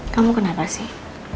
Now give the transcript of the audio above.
kamu kenapa sih